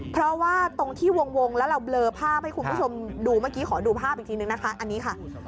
เพราะว่าตรงที่วงแล้วเราเบลอภาพให้คุณผู้ชมดูเมื่อกี้ขอดูภาพอีกทีนึงนะคะอันนี้ค่ะ